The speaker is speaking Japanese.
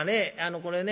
これね